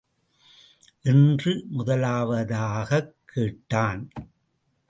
என்று முதலாவதாகக் கேட்டான்.